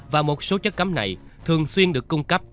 và một số chất cấm này thường xuyên được cung cấp